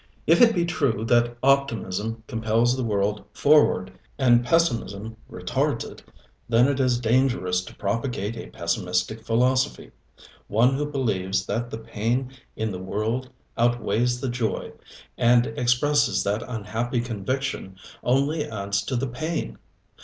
If it be true that optimism compels the world forward, and pessimism retards it, then it is dangerous to propagate a pessimistic philosophy. One who believes that the pain in the world outweighs the joy, and expresses that unhappy conviction, only adds to the pain.